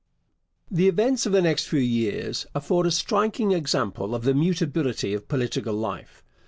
The events of the next few years afford a striking example of the mutability of political life.